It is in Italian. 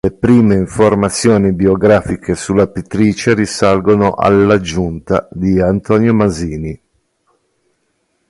Le prime informazioni biografiche sulla pittrice risalgono all"Aggiunta" di Antonio Masini.